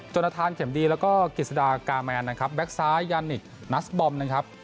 จนทานเข็มดีแล้วก็กิจสดากาแมนนะครับแก๊กซ้ายยานิคนัสบอมนะครับ